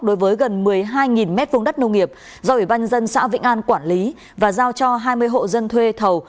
đối với gần một mươi hai m hai đất nông nghiệp do ubnd xã vĩnh an quản lý và giao cho hai mươi hộ dân thuê thầu